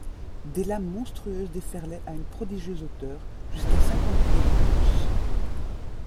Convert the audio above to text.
Des lames monstrueuses déferlaient à une prodigieuse hauteur, jusqu’à cinquante pieds et plus.